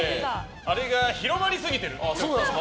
あれが広まりすぎてる。